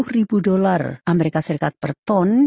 sepuluh ribu dolar amerika serikat pertolongan